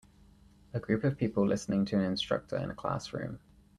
A group of people listening to an instructor in a classroom.